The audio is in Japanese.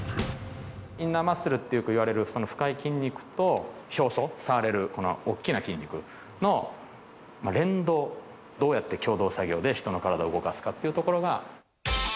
インナーマッスルってよくいわれる深い筋肉と表層、触れるこの大きな筋肉の連動、どうやって共同作業で人の体を動かすかっていうところが大事。